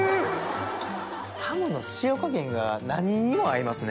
ハムの塩加減が何にも合いますね。